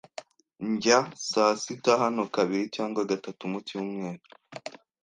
Ndya saa sita hano kabiri cyangwa gatatu mu cyumweru.